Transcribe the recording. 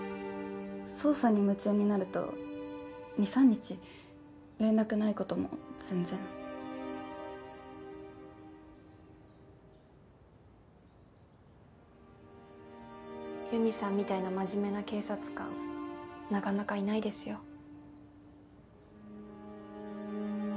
捜査に夢中になると２３日連絡ないことも全然弓美さんみたいな真面目な警察官なかなかいないですよ